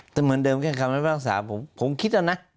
แต่เหมือนเดิมแค่คำเล่นฟรางศาสตร์ผมคิดแล้วนะ